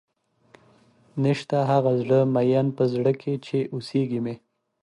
نيشته هغه زړۀ ميئن پۀ زړۀ کښې چې اوسېږي مې